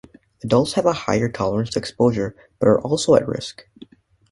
Adults have a higher tolerance to exposure, but are also at risk.